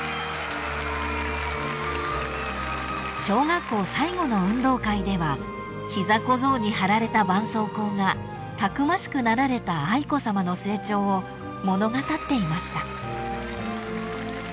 ［小学校最後の運動会では膝小僧に貼られたばんそうこうがたくましくなられた愛子さまの成長を物語っていました］